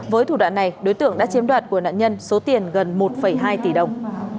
với thủ đoạn này đối tượng đã chiếm đoạt của nạn nhân số tiền gần một hai tỷ đồng